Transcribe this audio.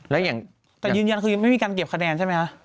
แล้วอย่างแต่ยืนยันคือยังไม่มีการเก็บคะแนนใช่ไหมคะ